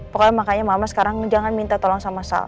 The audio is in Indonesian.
pokoknya makanya mama sekarang jangan minta tolong sama sal